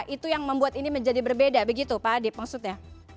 itu yang membuat ini menjadi berbeda begitu pak adip maksudnya